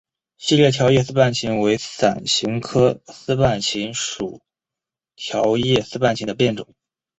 细裂条叶丝瓣芹为伞形科丝瓣芹属条叶丝瓣芹的变种。